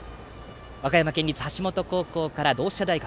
和歌山県立橋本高校から同志社大学。